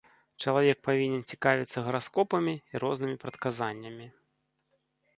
Чалавек павінен цікавіцца гараскопамі і рознымі прадказаннямі.